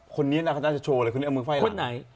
คนนี้น่าจะโชว์เลยคนนี้เอามือไฟหลัง